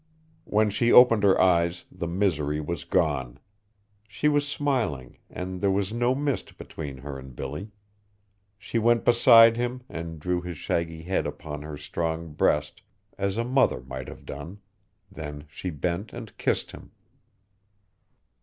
When she opened her eyes, the misery was gone. She was smiling, and there was no mist between her and Billy. She went beside him and drew his shaggy head upon her strong breast as a mother might have done; then she bent and kissed him.